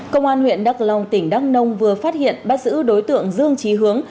công an huyện đắk long tỉnh đắk nông vừa phát hiện bác sứ đối tượng dương trí hướng